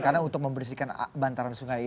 karena untuk membersihkan bantaran sungai itu